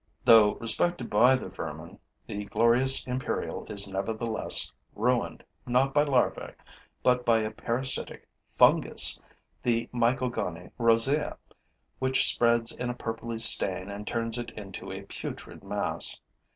Though respected by the vermin, the glorious imperial is nevertheless ruined not by larvae, but by a parasitic fungus, the Mycogone rosea, which spreads in a purply stain and turns it into a putrid mass.